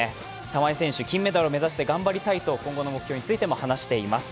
玉井選手金メダルを目指して頑張りたいと今後の目標についても話しています。